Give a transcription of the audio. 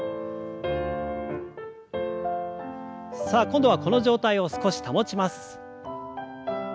さあ今度はこの状態を少し保ちます。